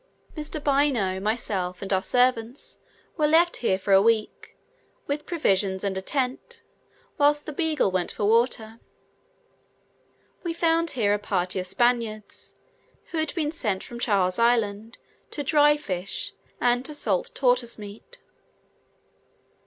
Mr. Bynoe, myself, and our servants were left here for a week, with provisions and a tent, whilst the Beagle went for water. We found here a party of Spaniards, who had been sent from Charles Island to dry fish, and to salt tortoise meat.